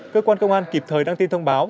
cơ quan công an kịp thời đăng tin thông báo